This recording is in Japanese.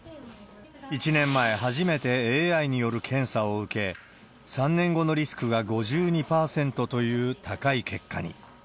１年前、初めてＡＩによる検査を受け、３年後のリスクが５２％という高い結果に。